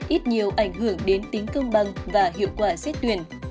ít nhiều ảnh hưởng đến tính công bằng và hiệu quả xét tuyển